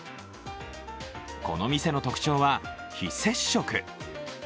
この店の特徴は非接触。